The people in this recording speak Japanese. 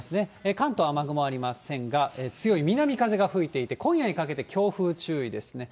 関東、雨雲ありませんが、強い南風が吹いていて、今夜にかけて強風注意ですね。